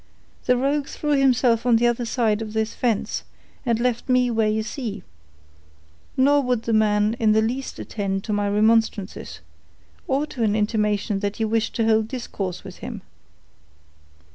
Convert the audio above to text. "The rogue threw himself on the other side of this fence, and left me where you see; nor would the man in the least attend to my remonstrances, or to an intimation that you wished to hold discourse with him."